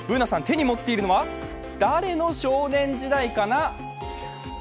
Ｂｏｏｎａさん、手に持っているのは誰の少年時代かな？